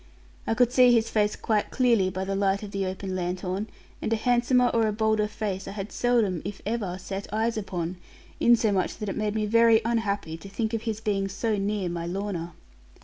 I could see his face quite clearly by the light of the open lanthorn, and a handsomer or a bolder face I had seldom, if ever, set eyes upon; insomuch that it made me very unhappy to think of his being so near my Lorna.